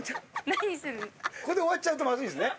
ここで終わっちゃうとまずいですね。